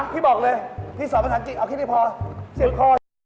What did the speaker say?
พี่บอกเลยพี่สอนภาษาจริงเอาแค่นี้พอเสียบคอย